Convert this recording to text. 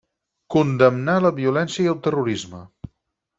Condemnar la violència i el terrorisme.